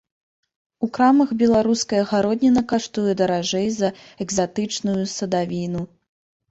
У крамах беларуская гародніна каштуе даражэй за экзатычную садавіну.